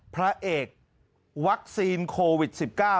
พระเอกวัคซีนโควิด๑๙